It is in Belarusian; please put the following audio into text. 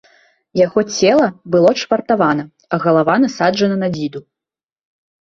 Яго цела было чвартавана, а галава насаджана на дзіду.